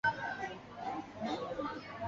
犹他曼泰圣殿被列入美国国家史迹名录。